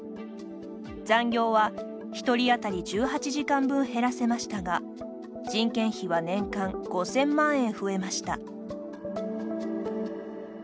残業は１人当たり１８時間分減らせましたが人件費は年間５，０００万円増えました。